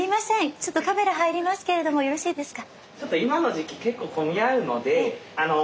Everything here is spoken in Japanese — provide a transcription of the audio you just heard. ちょっとカメラ入りますけれどもよろしいですか？